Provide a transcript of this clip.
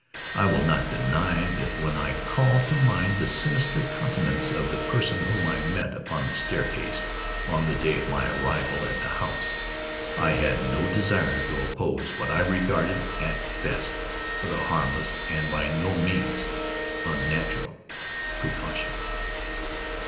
I will not deny that when I called to mind the sinister countenance of the person whom I met upon the staircase, on the day of my arrival at the house, I had no desire to oppose what I regarded as at best but a harmless, and by no means an unnatural, precaution.